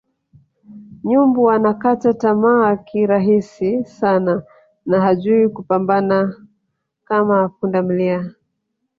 Nyumbu anakata tamaa kirahisi sana na hajui kupambana kama pundamilia